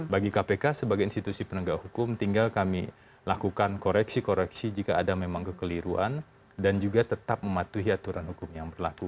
bagi kpk sebagai institusi penegak hukum tinggal kami lakukan koreksi koreksi jika ada memang kekeliruan dan juga tetap mematuhi aturan hukum yang berlaku